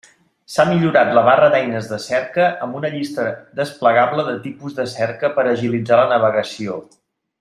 S'ha millorat la barra d'eines de cerca amb una llista desplegable de tipus de cerca per a agilitzar la navegació.